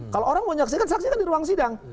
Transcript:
kalau orang mau menyaksikan saksi kan di ruang sidang